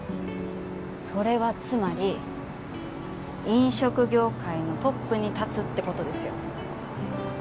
それはつまり飲食業界のトップに立つって事ですよ。